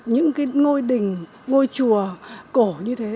những cái ngôi đình ngôi chùa cổ như thế